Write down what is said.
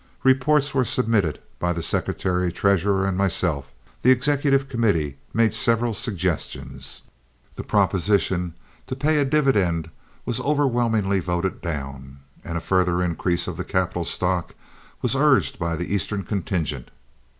Reports were submitted by the secretary treasurer and myself, the executive committee made several suggestions, the proposition, to pay a dividend was overwhelmingly voted down, and a further increase of the capital stock was urged by the Eastern contingent.